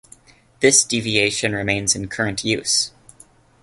This deviation remains in current use.